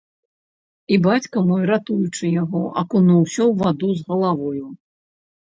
І бацька мой, ратуючы яго, акунуўся ў ваду з галавою.